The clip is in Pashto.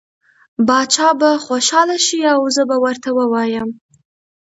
باچا به خوشحاله شي او زه به ورته ووایم.